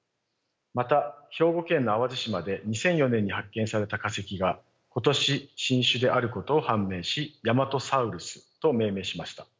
また兵庫県の淡路島で２００４年に発見された化石が今年新種であることを判明しヤマトサウルスと命名しました。